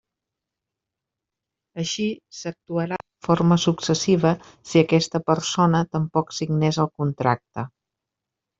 Així s'actuarà de forma successiva si aquesta persona tampoc signés el contracte.